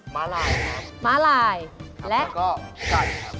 มะลายครับและก็ไก่ครับ